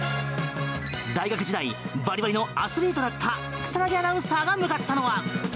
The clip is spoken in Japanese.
大学時代バリバリのアスリートだった草薙アナウンサーが向かったのは。